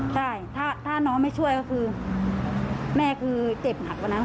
ใช่ถ้าน้องไม่ช่วยแม่คือเจ็บหนักกว่านั้นค่ะ